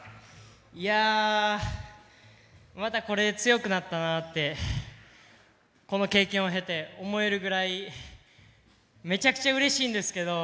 いやまたこれで強くなったなってこの経験を経て思えるぐらいめちゃくちゃうれしいんですけど。